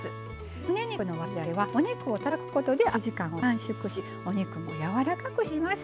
むね肉のわらじ揚げはお肉をたたくことで揚げる時間を短縮しお肉もやわらかくしています。